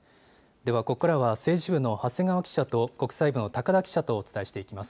ではここからは政治部の長谷川記者と国際部の高田記者とお伝えしていきます。